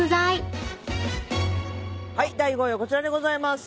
第５位はこちらでございます。